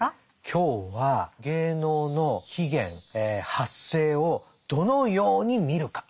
今日は芸能の起源発生をどのように見るか。